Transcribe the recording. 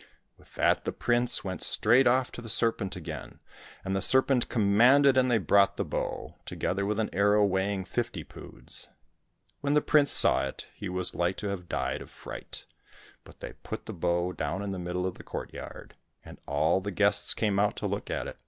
With that the prince went straight off to the serpent again, and the serpent commanded and they brought the bow, together with an arrow weighing fifty poods. When the prince saw it, he was like to have died of fright ; but they put the bow down in the middle of the courtyard, and all the guests came out to look at it.